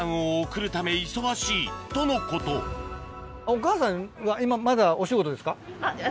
お母さんは今まだお仕事ですか？